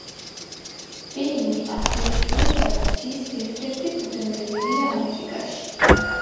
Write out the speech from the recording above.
პეინი ათეისტური ტრადიციის ერთ-ერთი ფუძემდებელია ამერიკაში.